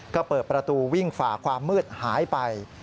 ก็เปิดประตูวิ่งฝ่าความมืดหายไป